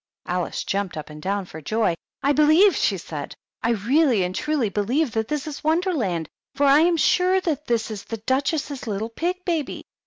Alice jumped up and down for joy. "I believe," she said, "I really and truly believe that this is Wonderland, for I am sure that is the Duchess's little pig baby."